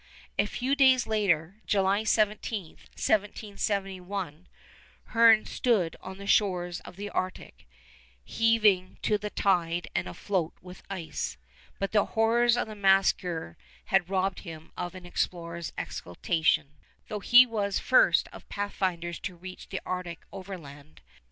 A few days later, July 17, 1771, Hearne stood on the shores of the Arctic, heaving to the tide and afloat with ice; but the horrors of the massacre had robbed him of an explorer's exultation, though he was first of pathfinders to reach the Arctic overland.